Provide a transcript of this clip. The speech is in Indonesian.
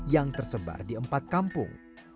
yang tersebar di empat kampung